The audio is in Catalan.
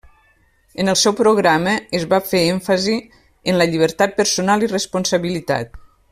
En el seu programa es va fer èmfasi en la llibertat personal i responsabilitat.